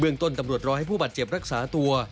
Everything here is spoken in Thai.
ต้นตำรวจรอให้ผู้บาดเจ็บรักษาตัว